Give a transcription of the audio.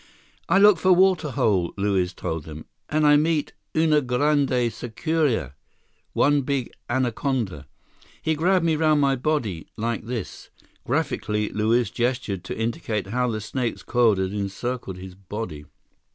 "I look for water hole," Luiz told them, "and I meet una grande sucuria—one big anaconda! He grab me around my body, like this!" Graphically, Luiz gestured to indicate how the snake's coils had encircled his body.